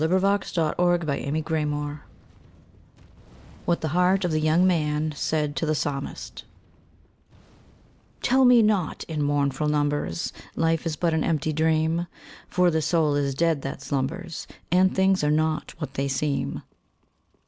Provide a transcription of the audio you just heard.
Henry Wadsworth Longfellow A Psalm of Life What the heart of the young man said to the psalmist TELL me not, in mournful numbers, Life is but an empty dream! For the soul is dead that slumbers, And things are not what they seem.